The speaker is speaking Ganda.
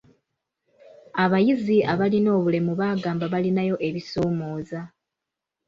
Abayizi abalina obulemu baagamba balinayo ebisoomooza.